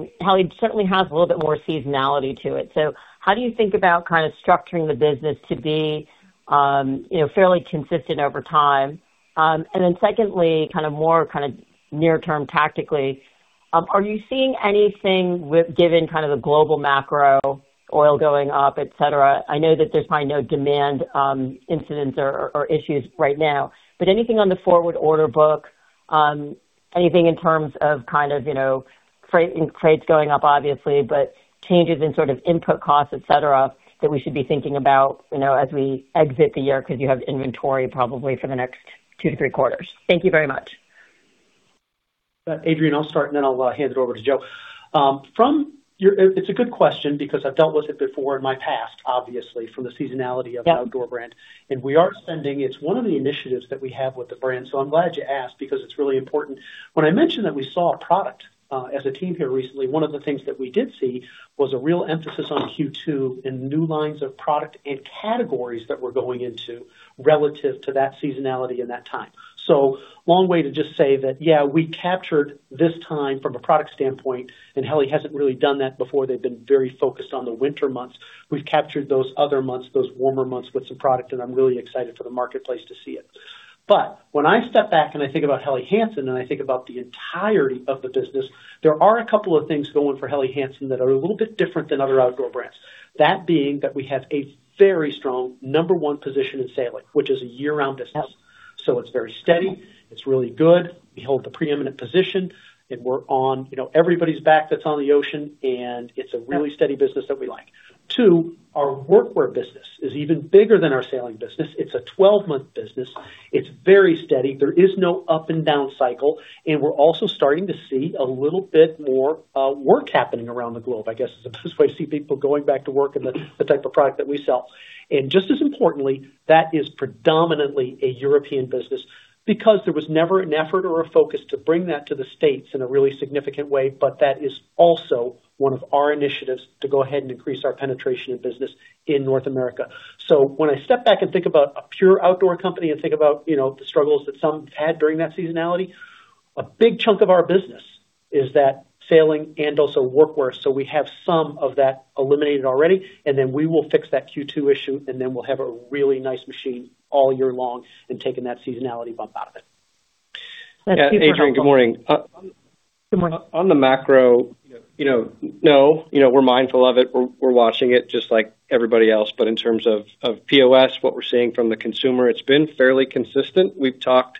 certainly has a little bit more seasonality to it. How do you think about kind of structuring the business to be, you know, fairly consistent over time? Secondly, kind of more kind of near term tactically, are you seeing anything given kind of the global macro, oil going up, et cetera? I know that there's probably no demand incidents or issues right now, but anything on the forward order book, anything in terms of kind of, you know, freight and crates going up obviously, but changes in sort of input costs, et cetera, that we should be thinking about, you know, as we exit the year because you have inventory probably for the next two to three quarters. Thank you very much. Adrienne, I'll start and then I'll hand it over to Joe. It's a good question because I've dealt with it before in my past, obviously, from the seasonality of an outdoor brand. It's one of the initiatives that we have with the brand, so I'm glad you asked because it's really important. When I mentioned that we saw a product as a team here recently, one of the things that we did see was a real emphasis on Q2 and new lines of product and categories that we're going into relative to that seasonality and that time. Long way to just say that, yeah, we captured this time from a product standpoint, and Helly hasn't really done that before. They've been very focused on the winter months. We've captured those other months, those warmer months with some product, and I'm really excited for the marketplace to see it. When I step back and I think about Helly Hansen, and I think about the entirety of the business, there are couple of things going for Helly Hansen that are a little bit different than other outdoor brands. That being that we have a very strong number one position in sailing, which is a year-round business. It's very steady. It's really good. We hold the preeminent position, and we're on, you know, everybody's back that's on the ocean, and it's a really steady business that we like. Two, our work wear business is even bigger than our sailing business. It's a 12-month business. It's very steady. There is no up and down cycle, and we're also starting to see a little bit more work happening around the globe. I guess is the best way to see people going back to work in the type of product that we sell. Just as importantly, that is predominantly a European business because there was never an effort or a focus to bring that to the States in a really significant way. That is also one of our initiatives to go ahead and increase our penetration of business in North America. When I step back and think about a pure outdoor company and think about, you know, the struggles that some had during that seasonality, a big chunk of our business is that sailing and also workwear. We have some of that eliminated already. Then we will fix that Q2 issue. Then we will have a really nice machine all year long, taking that seasonality bump out of it. Yeah, Adrienne, good morning. Good morning. On the macro, you know, no. You know, we're mindful of it. We're watching it just like everybody else. In terms of POS, what we're seeing from the consumer, it's been fairly consistent. We've talked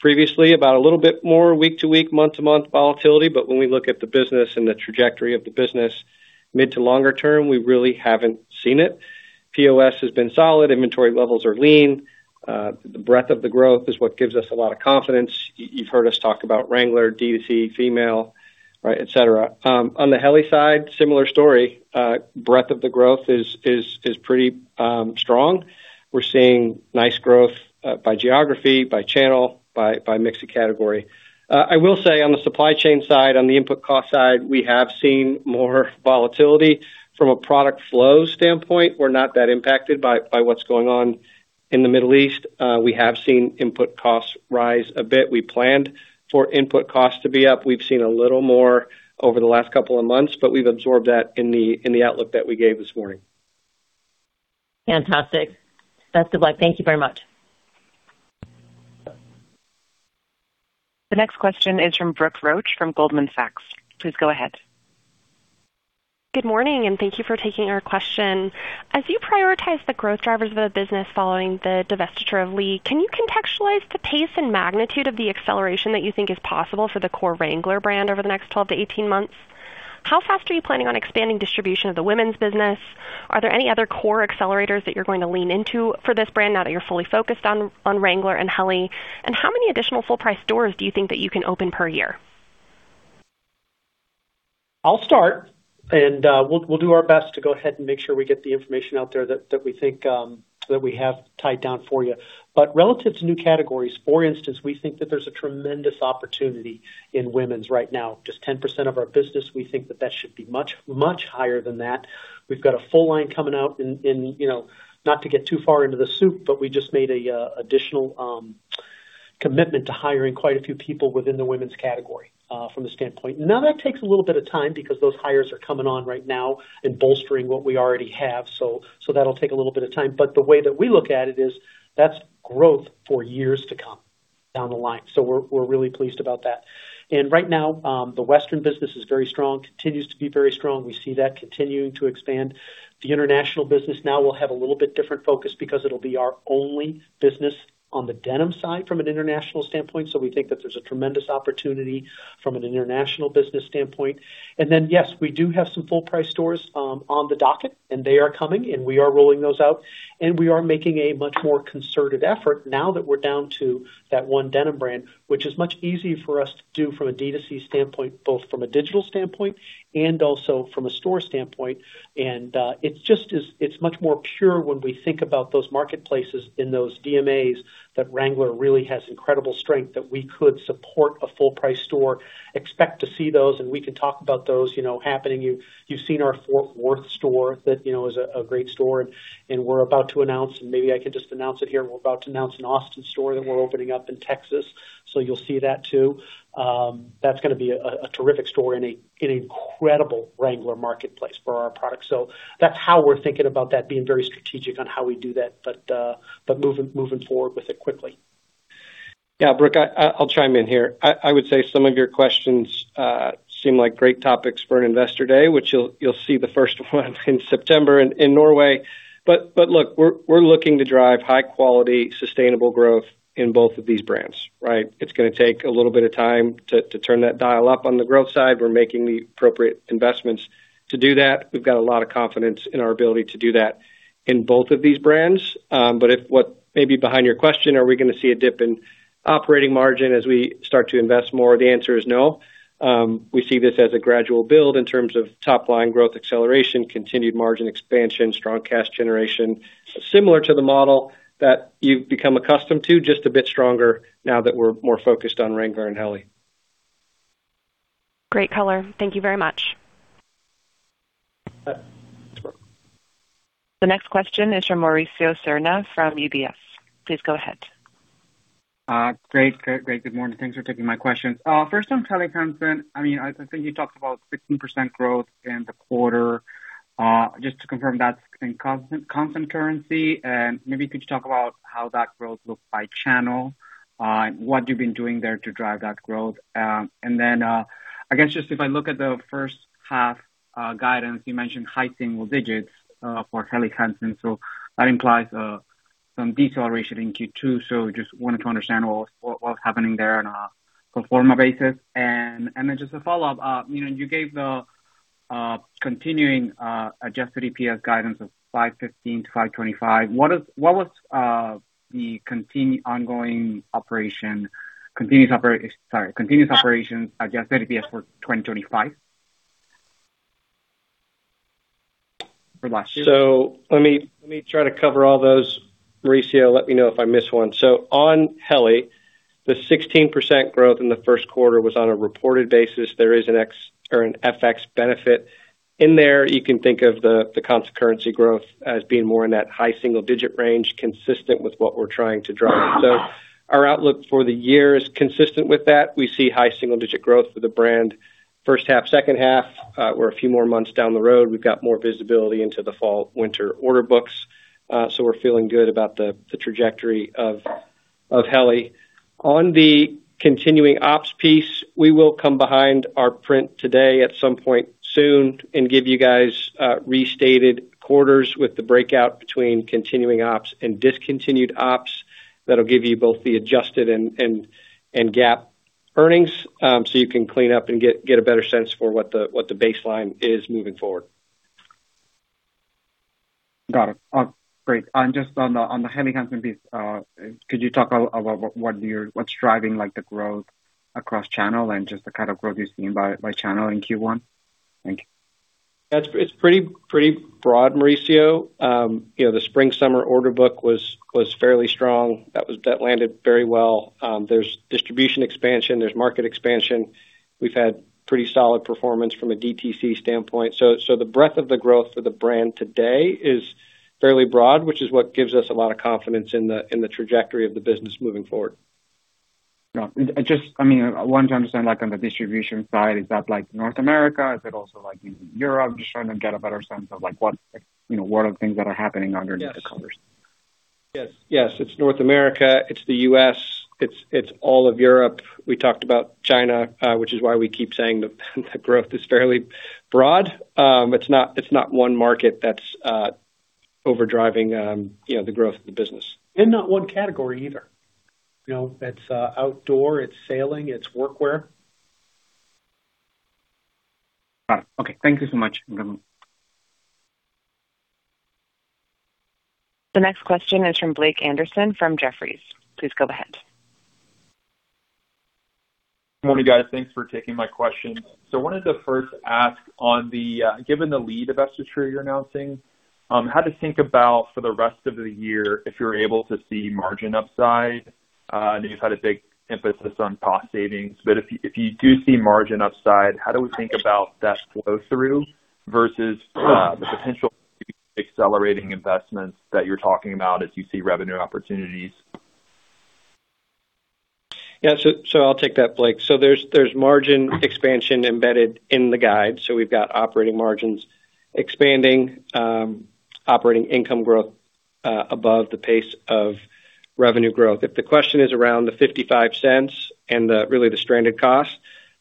previously about a little bit more week to week, month to month volatility, when we look at the business and the trajectory of the business mid to longer term, we really haven't seen it. POS has been solid. Inventory levels are lean. The breadth of the growth is what gives us a lot of confidence. You've heard us talk about Wrangler, DTC, female, right, et cetera. On the Helly side, similar story. Breadth of the growth is pretty strong. We're seeing nice growth by geography, by channel, by mix of category. I will say on the supply chain side, on the input cost side, we have seen more volatility. From a product flow standpoint, we're not that impacted by what's going on in the Middle East. We have seen input costs rise a bit. We planned for input costs to be up. We've seen a little more over the last couple of months, but we've absorbed that in the outlook that we gave this morning. Fantastic. Best of luck. Thank you very much. The next question is from Brooke Roach from Goldman Sachs. Please go ahead. Good morning, and thank you for taking our question. As you prioritize the growth drivers of the business following the divestiture of Lee, can you contextualize the pace and magnitude of the acceleration that you think is possible for the core Wrangler brand over the next 12-18 months? How fast are you planning on expanding distribution of the women's business? Are there any other core accelerators that you're going to lean into for this brand now that you're fully focused on Wrangler and Helly? How many additional full price stores do you think that you can open per year? I'll start, and we'll do our best to go ahead and make sure we get the information out there that we think that we have tied down for you. Relative to new categories, for instance, we think that there's a tremendous opportunity in women's right now. Just 10% of our business, we think that that should be much, much higher than that. We've got a full line coming out in, you know, not to get too far into the scoop, but we just made an additional commitment to hiring quite a few people within the women's category from the standpoint. Now, that takes a little bit of time because those hires are coming on right now and bolstering what we already have. That'll take a little bit of time. The way that we look at it is that's growth for years to come down the line. We're really pleased about that. Right now, the Western business is very strong, continues to be very strong. We see that continuing to expand. The international business now will have a little bit different focus because it'll be our only business on the denim side from an international standpoint. We think that there's a tremendous opportunity from an international business standpoint. Yes, we do have some full price stores on the docket, and they are coming, and we are rolling those out, and we are making a much more concerted effort now that we're down to that one denim brand, which is much easy for us to do from a DTC standpoint, both from a digital standpoint and also from a store standpoint. It's much more pure when we think about those marketplaces in those DMAs that Wrangler really has incredible strength that we could support a full price store. Expect to see those, and we can talk about those, you know, happening. You've seen our Fort Worth store that, you know, is a great store, and we're about to announce, and maybe I can just announce it here. We're about to announce an Austin store that we're opening up in Texas. You'll see that too. That's gonna be a terrific store in a incredible Wrangler marketplace for our products. That's how we're thinking about that, being very strategic on how we do that. But moving forward with it quickly. Yeah, Brooke, I'll chime in here. I would say some of your questions seem like great topics for an investor day, which you'll see the first one in September in Norway. Look, we're looking to drive high quality, sustainable growth in both of these brands, right? It's gonna take a little bit of time to turn that dial up on the growth side. We're making the appropriate investments to do that. We've got a lot of confidence in our ability to do that in both of these brands. If what may be behind your question, are we gonna see a dip in operating margin as we start to invest more? The answer is no. We see this as a gradual build in terms of top line growth acceleration, continued margin expansion, strong cash generation. Similar to the model that you've become accustomed to, just a bit stronger now that we're more focused on Wrangler and Helly. Great color. Thank you very much. The next question is from Mauricio Serna from UBS. Please go ahead. Great. Good morning. Thanks for taking my questions. First on Helly Hansen. I mean, I think you talked about 16% growth in the quarter. Just to confirm that's in constant currency. Maybe could you talk about how that growth looks by channel, and what you've been doing there to drive that growth? Then, I guess just if I look at the first half guidance, you mentioned high single digits for Helly Hansen, so that implies some deceleration in Q2. Just wanted to understand what's happening there on a pro forma basis. Then just a follow-up. You know, you gave the continuing adjusted EPS guidance of $5.15-$5.25. What was, Sorry, continuous operations adjusted EPS for 2025? For last year. Let me try to cover all those. Mauricio, let me know if I miss one. On Helly, the 16% growth in the first quarter was on a reported basis. There is an FX benefit in there. You can think of the constant currency growth as being more in that high single digit range, consistent with what we're trying to drive. Our outlook for the year is consistent with that. We see high single digit growth for the brand first half, second half, we're a few more months down the road. We've got more visibility into the fall/winter order books. We're feeling good about the trajectory of Helly. On the continuing ops piece, we will come behind our print today at some point soon and give you guys restated quarters with the breakout between continuing ops and discontinued ops. That'll give you both the adjusted and GAAP earnings, so you can clean up and get a better sense for what the baseline is moving forward. Got it. Great. Just on the Helly Hansen piece, could you talk about what's driving, like, the growth across channel and just the kind of growth you're seeing by channel in Q1? Thank you. It's pretty broad, Mauricio. You know, the spring/summer order book was fairly strong. That landed very well. There's distribution expansion, there's market expansion. We've had pretty solid performance from a DTC standpoint. The breadth of the growth for the brand today is fairly broad, which is what gives us a lot of confidence in the trajectory of the business moving forward. No, just I mean, I want to understand, like, on the distribution side, is that like North America? Is it also like in Europe? Just trying to get a better sense of like what, you know, what are the things that are happening underneath. Yes the covers. Yes. Yes, it's North America, it's the U.S., it's all of Europe. We talked about China, which is why we keep saying the growth is fairly broad. It's not one market that's overdriving, you know, the growth of the business. Not one category either. You know, it's outdoor, it's sailing, it's workwear. All right. Okay. Thank you so much. The next question is from Blake Anderson from Jefferies. Please go ahead. Morning, guys. Thanks for taking my questions. Wanted to first ask on the given the lead investor stream you're announcing, how to think about for the rest of the year if you're able to see margin upside. I know you've had a big emphasis on cost savings, if you do see margin upside, how do we think about that flow through versus the potential accelerating investments that you're talking about as you see revenue opportunities? I'll take that, Blake. There's margin expansion embedded in the guide. We've got operating margins expanding, operating income growth above the pace of revenue growth. If the question is around the $0.55 and really the stranded cost,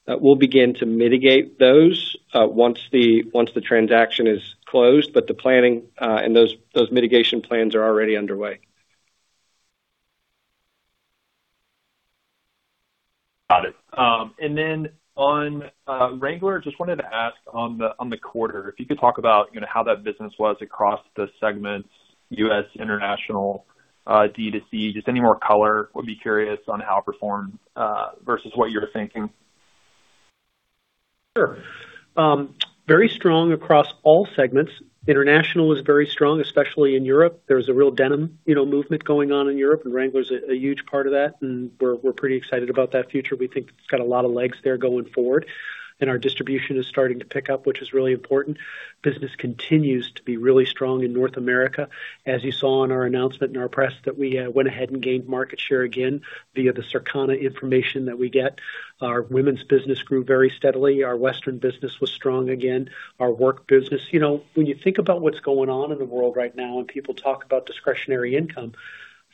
we'll begin to mitigate those once the transaction is closed. The planning and those mitigation plans are already underway. Got it. On Wrangler, just wanted to ask on the quarter, if you could talk about, you know, how that business was across the segments, U.S., international, DTC, just any more color would be curious on how it performed versus what you're thinking. Sure. Very strong across all segments. International was very strong, especially in Europe. There was a real denim, you know, movement going on in Europe, and Wrangler's a huge part of that, and we're pretty excited about that future. We think it's got a lot of legs there going forward. Our distribution is starting to pick up, which is really important. Business continues to be really strong in North America. As you saw in our announcement, in our press, that we went ahead and gained market share again via the Circana information that we get. Our women's business grew very steadily. Our western business was strong again. Our work business. You know, when you think about what's going on in the world right now and people talk about discretionary income.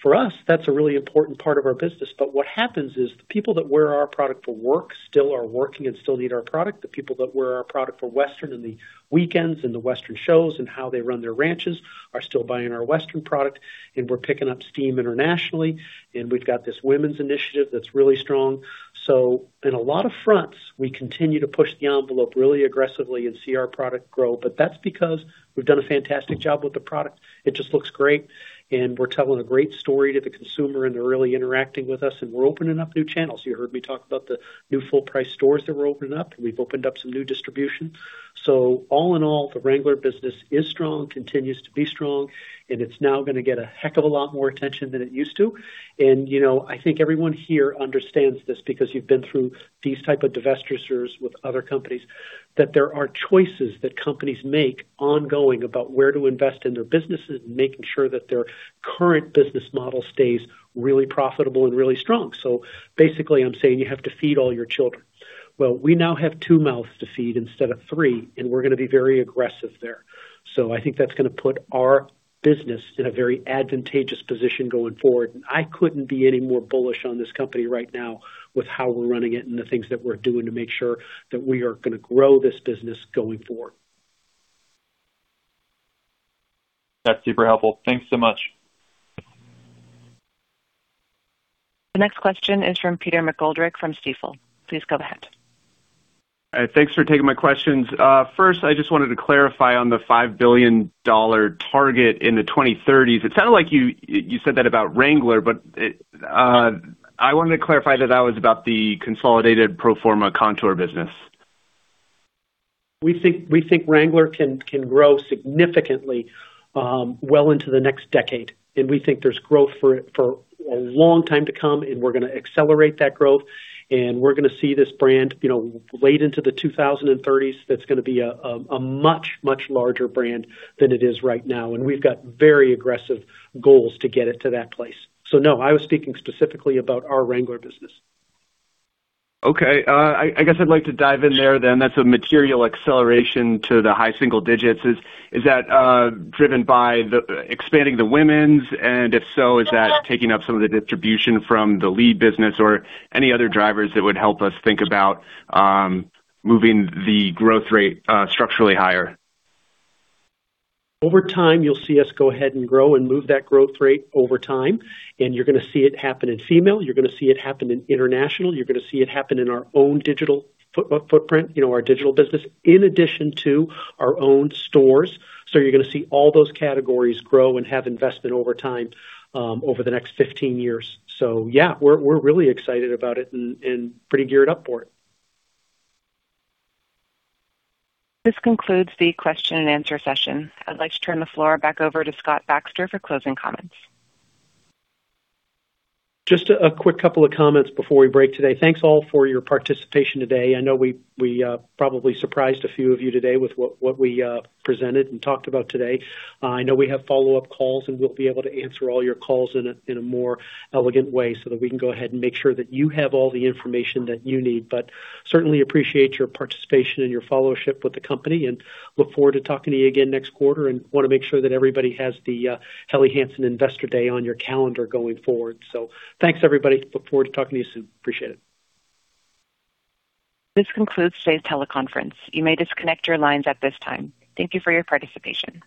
For us, that's a really important part of our business. What happens is the people that wear our product for work still are working and still need our product. The people that wear our product for Western in the weekends and the Western shows and how they run their ranches are still buying our Western product. We're picking up steam internationally. We've got this women's initiative that's really strong. In a lot of fronts, we continue to push the envelope really aggressively and see our product grow. That's because we've done a fantastic job with the product. It just looks great, and we're telling a great story to the consumer, and they're really interacting with us, and we're opening up new channels. You heard me talk about the new full price stores that we're opening up, and we've opened up some new distribution. All in all, the Wrangler business is strong, continues to be strong, and it's now going to get a heck of a lot more attention than it used to. You know, I think everyone here understands this because you've been through these type of divestitures with other companies, that there are choices that companies make ongoing about where to invest in their businesses and making sure that their current business model stays really profitable and really strong. Basically, I'm saying you have to feed all your children. Well, we now have two mouths to feed instead of three, and we're going to be very aggressive there. I think that's going to put our business in a very advantageous position going forward. I couldn't be any more bullish on this company right now with how we're running it and the things that we're doing to make sure that we are gonna grow this business going forward. That's super helpful. Thanks so much. The next question is from Peter McGoldrick from Stifel. Please go ahead. Thanks for taking my questions. First, I just wanted to clarify on the $5 billion target in the 2030s. It sounded like you said that about Wrangler, but I wanted to clarify that that was about the consolidated pro forma Kontoor business. We think Wrangler can grow significantly well into the next decade. We think there's growth for a long time to come, we're gonna accelerate that growth. We're gonna see this brand, you know, late into the 2030s. That's gonna be a much larger brand than it is right now, and we've got very aggressive goals to get it to that place. No, I was speaking specifically about our Wrangler business. Okay. I guess I'd like to dive in there then. That's a material acceleration to the high single digits. Is that driven by expanding the women's? If so, is that taking up some of the distribution from the Lee business or any other drivers that would help us think about moving the growth rate structurally higher? Over time, you'll see us go ahead and grow and move that growth rate over time. You're gonna see it happen in female. You're gonna see it happen in international. You're gonna see it happen in our own digital footprint, you know, our digital business, in addition to our own stores. You're gonna see all those categories grow and have investment over time, over the next 15 years. Yeah, we're really excited about it and pretty geared up for it. This concludes the question and answer session. I'd like to turn the floor back over to Scott Baxter for closing comments. Just a quick couple of comments before we break today. Thanks, all, for your participation today. I know we probably surprised a few of you today with what we presented and talked about today. I know we have follow-up calls. We'll be able to answer all your calls in a more elegant way so that we can go ahead and make sure that you have all the information that you need. Certainly appreciate your participation and your followership with the company. Look forward to talking to you again next quarter. Wanna make sure that everybody has the Helly Hansen Investor Day on your calendar going forward. Thanks, everybody. Look forward to talking to you soon. Appreciate it. This concludes today's teleconference. You may disconnect your lines at this time. Thank you for your participation.